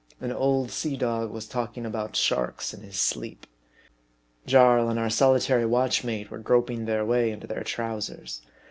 An old sea dog was talking about sharks in his sleep. Jarl and our solitary watch mate were groping their way into their trow sers.